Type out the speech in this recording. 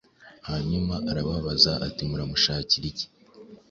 Hanyuma arababaza ati “Muramushakira iki?”